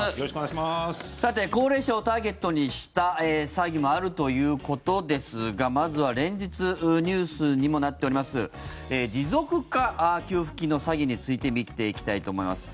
さて、高齢者をターゲットにした詐欺もあるということですがまずは連日ニュースにもなっております持続化給付金の詐欺について見ていきたいと思います。